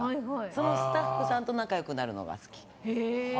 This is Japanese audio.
そのスタッフさんと仲良くなるのが好き。